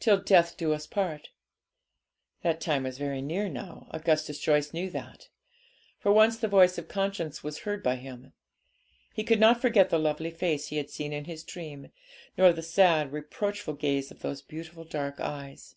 'Till death us do part.' That time was very near now, Augustus Joyce knew that. For once the voice of conscience was heard by him. He could not forget the lovely face he had seen in his dream, nor the sad, reproachful gaze of those beautiful dark eyes.